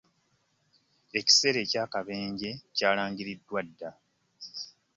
Ekiseera eky'akabenje kyalangiriddwa dda.